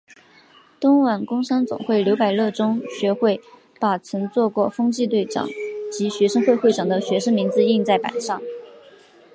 东莞工商总会刘百乐中学会把曾做过风纪队长及学生会会长的学生名字印在板上。